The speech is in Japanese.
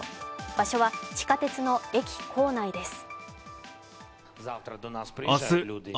場所は地下鉄の駅構内です。